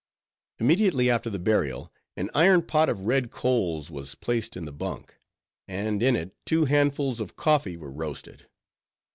Immediately after the burial, an iron pot of red coals was placed in the bunk, and in it two handfuls of coffee were roasted.